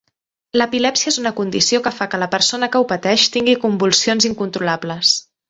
L'epilèpsia és una condició que fa que la persona que ho pateix tingui convulsions incontrolables.